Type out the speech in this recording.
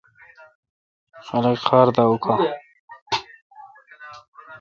خلق خار دا اوکھا۔